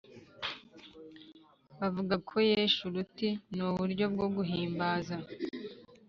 bavugako yeshe uruti. Ni uburyo bwo guhimbaza.